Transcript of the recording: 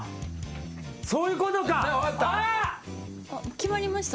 決まりました？